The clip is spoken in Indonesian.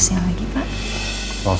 selalu ada pengundang pengundang juga